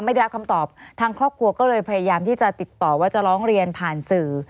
ไม่ได้รับคำตอบทางครอบครัวก็เลยพยายามที่จะติดต่อว่าจะร้องเรียนผ่านสื่อ